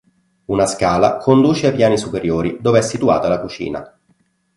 Una scala conduce ai piani superiori, dove è situata la cucina.